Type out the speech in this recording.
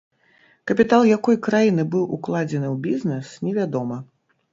Капітал якой краіны быў укладзены ў бізнэс, невядома.